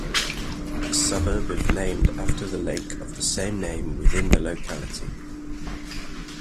The suburb is named after the lake of the same name within the locality.